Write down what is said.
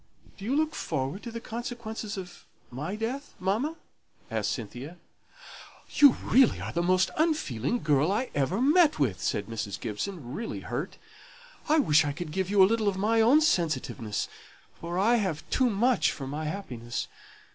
"Do you look forward to the consequences of my death, mamma?" asked Cynthia. "You really are the most unfeeling girl I ever met with," said Mrs. Gibson, really hurt. "I wish I could give you a little of my own sensitiveness, for I have too much for my happiness.